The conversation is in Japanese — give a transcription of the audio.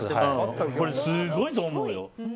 これ、すごいと思うよ。